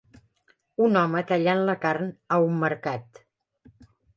un home tallant la carn a un mercat